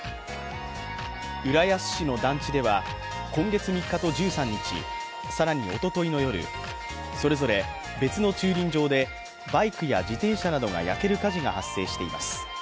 浦安市の団地では今月３日と１３日、更におとといの夜それぞれ別の駐輪場でバイクや自転車などが焼ける火事が発生しています。